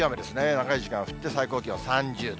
長い時間降って、最高気温３０度。